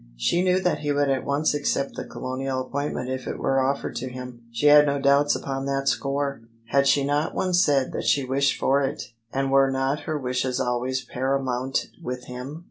She knew that he would at once accept the Colonial appointment if it were offered to him: she had no doubts upon that score. Had she not once said that she wished for It — ^and were not her wishes always paramount with him?